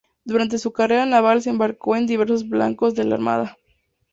Durante su carrera naval se embarcó en diversos barcos de la Armada.